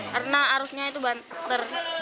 karena arusnya itu banter